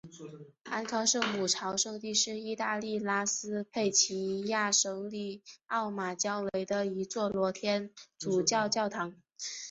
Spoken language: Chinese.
安康圣母朝圣地是意大利拉斯佩齐亚省里奥马焦雷的一座罗马天主教教堂。